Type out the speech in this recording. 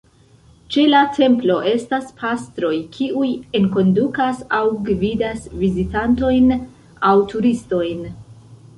Ĉe la templo estas pastroj, kiuj enkondukas aŭ gvidas vizitantojn aŭ turistojn.